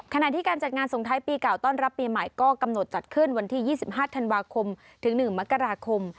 การสงท้ายปีเก่าต้อนรับปีใหม่ก็กำหนดจัดขึ้นวันที่๒๕ธันวาคม๑มกราคม